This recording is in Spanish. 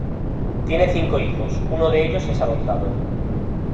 Tiene cinco hijos, uno de ellos es adoptado.